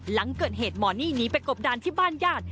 หลังเกิดเหตุหมอนี่หนีไปกบดานที่บ้านญาติ